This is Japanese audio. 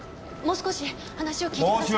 もう少し話を聞いて。